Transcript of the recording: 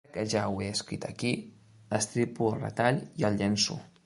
Ara que ja ho he escrit aquí, estripo el retall i el llenço.